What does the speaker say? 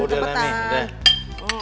udah rami udah